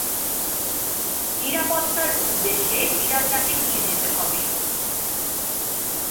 নিরাপত্তার উদ্দেশ্যে বিড়ালটাকে নিয়ে যেতে হবে।